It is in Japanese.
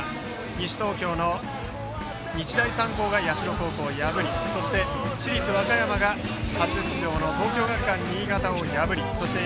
西東京の日大三高が社高校を破りそして市立和歌山が初出場の東京学館新潟を破りそして